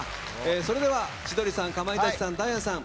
それでは、千鳥さんかまいたちさん、ダイアンさん